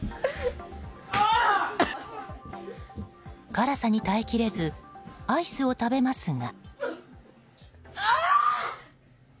辛さに耐えきれずアイスを食べますが。